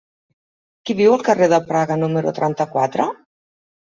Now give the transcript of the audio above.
Qui viu al carrer de Praga número trenta-quatre?